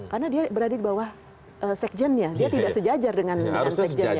karena dia berada di bawah sekjennya dia tidak sejajar dengan sekjennya